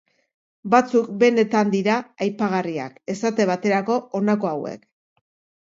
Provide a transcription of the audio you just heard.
Batzuk benetan dira aipagarriak, esate baterako honako hauek.